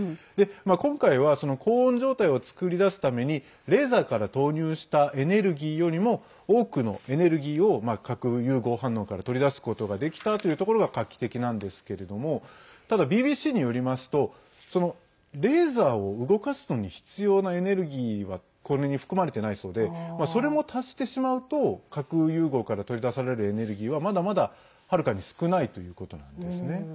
今回は高温状態を作り出すためにレーザーから投入したエネルギーよりも多くのエネルギーを核融合反応から取り出すことができたというところが画期的なんですけれどもただ、ＢＢＣによりますとレーザーを動かすのに必要なエネルギーはこれに含まれてないそうでそれも足してしまうと核融合から取り出されるエネルギーはまだまだ、はるかに少ないということなんですね。